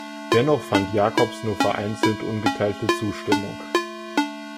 Dennoch fand Jakobs nur vereinzelt ungeteilte Zustimmung.